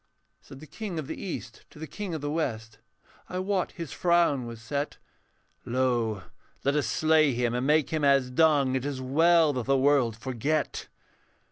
Said the King of the East to the King of the West, I wot his frown was set, 'Lo; let us slay him and make him as dung, It is well that the world forget.'